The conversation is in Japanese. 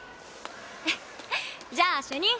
じゃあ主任！